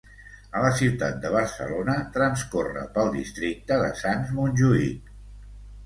A la ciutat de Barcelona transcorre pel districte de Sants-Montjuïc.